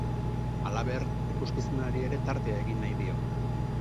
Halaber, ikuskizunari ere tartea egin nahi dio.